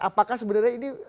apakah sebenarnya ini